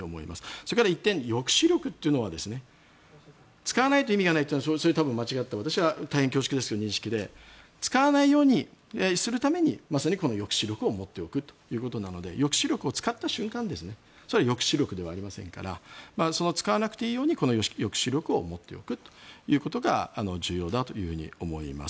それから１点、抑止力というのは使わないと意味がないというのはそれは私は申し訳ないですが多分間違っているという認識で使わないようにするためにまさに抑止力を持っておくということなので抑止力を使った瞬間それは抑止力ではありませんから使わなくていいように抑止力を持っておくということが重要だというふうに思います。